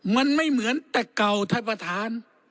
มันไม่เหมือนแต่เก่าท่านประธาน